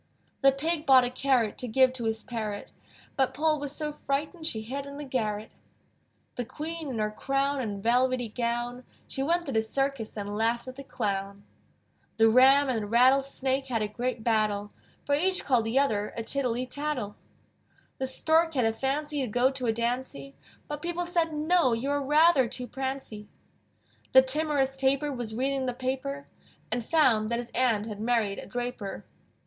The Pig bought a carrot To give to his parrot: But Poll was so frightened She hid in the garret. The Queen in her crown And velvety gown, She went to the circus, And laughed at the clown. The Ram and the Rattle Snake had a great battle: For each called the other A tittlety tattle. The Stork had a fancy To go to a dancy, But people said, "No! You are rather too prancy!" The timorous Tapir Was reading the paper, And found that his aunt Had married a draper.